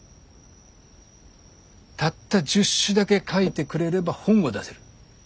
たった１０首だけ書いてくれれば本を出せる。